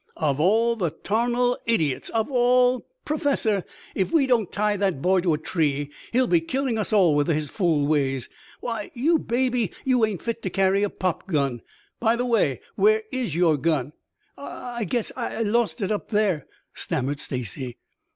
"Of all the tarnal idiots of all! Professor, if we don't tie that boy to a tree he'll be killing us all with his fool ways. Why, you baby, you ain't fit to carry a pop gun. By the way, where is your gun?" "I I guess, I lost it up up there," stammered Stacy.